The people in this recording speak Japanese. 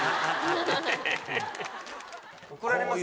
怒られますよ。